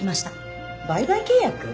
売買契約？